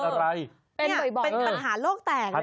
เป็นปัญหาโลกแต่ง